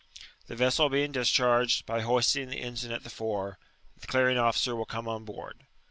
The vessel being discharged, by hoisting the eataga at tiie fore, <ihe clearing officer will come on board.